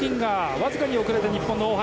わずかに遅れて日本の大橋。